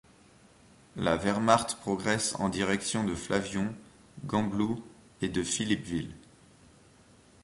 La Wehrmacht progresse en direction de Flavion, Gembloux et de Philippeville.